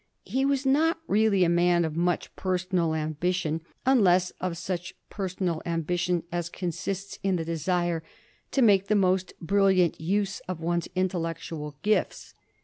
He was not really a man of much personal ambition, unless of such personal ambition as consists in the desire to make the most brill iant use of one's intellectual gifts.